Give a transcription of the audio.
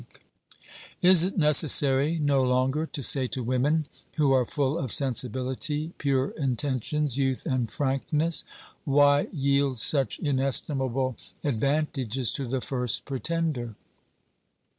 OBERMANN 339 Is it necessary no longer to say to women who are full of sensibility, pure intentions, youth and frankness : Why yield such inestimable advantages to the first pretender?